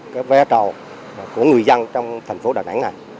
cái ve trò của người dân trong thành phố đà nẵng này